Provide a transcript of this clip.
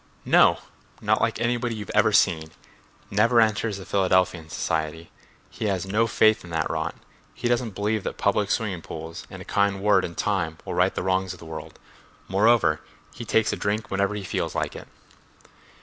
"No! not like anybody you've ever seen. Never enters the Philadelphian Society. He has no faith in that rot. He doesn't believe that public swimming pools and a kind word in time will right the wrongs of the world; moreover, he takes a drink whenever he feels like it."